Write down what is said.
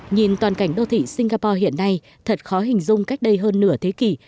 nhìn toàn cảnh đô thị singapore hiện nay thật khó hình dung cách đây hơn nửa thế kỷ